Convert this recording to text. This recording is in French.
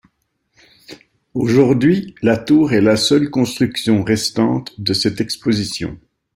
Aujourd'hui, la tour est la seule construction restante de cette exposition.